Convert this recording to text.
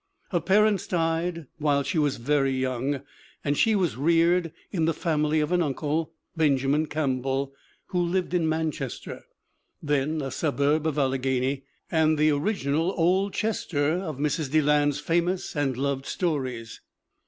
Her par ents died while she was very young, and she was reared in the family of an uncle, Benjamin Campbell, who lived in Manchester, then a suburb of Alleghany, and the original Old Chester of Mrs. Deland's famous and loved stories.